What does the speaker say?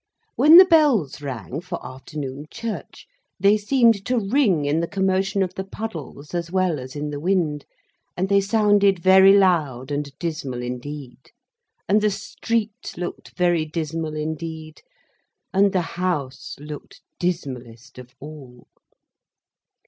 When the bells rang for afternoon church, they seemed to ring in the commotion of the puddles as well as in the wind, and they sounded very loud and dismal indeed, and the street looked very dismal indeed, and the House looked dismallest of all.